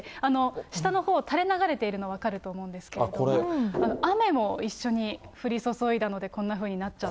下のほう、たれ流れてるの分かると思うんですけれども、雨も一緒に降り注いだのでこんなふうになっちゃった。